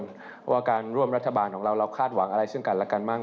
เพราะว่าการร่วมรัฐบาลของเราเราคาดหวังอะไรซึ่งกันและกันมั่ง